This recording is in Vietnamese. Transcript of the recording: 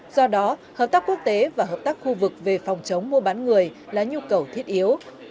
do đó hợp tác quốc tế và hợp tác khu vực về phòng chống mua bán người là nhu cầu thiết yếu